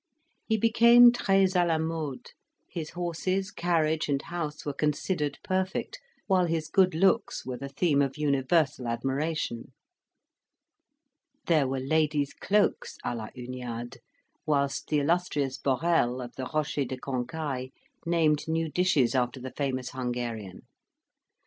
He became tres a la mode: his horses, carriage, and house were considered perfect, while his good looks were the theme of universal admiration. There were ladies' cloaks "a la Huniade," whilst the illustrious Borel, of the Rocher de Cancaile, named new dishes after the famous Hungarian.